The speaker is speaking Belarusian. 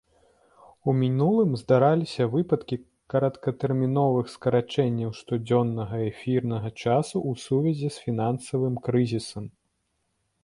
У мінулым здараліся выпадкі кароткатэрміновых скарачэнняў штодзённага эфірнага часу ў сувязі з фінансавым крызісам.